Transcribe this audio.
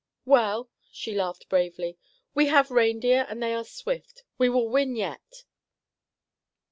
"Well," she laughed bravely, "we have reindeer, and they are swift. We will win yet."